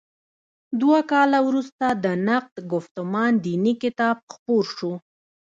دوه کاله وروسته د نقد ګفتمان دیني کتاب خپور شو.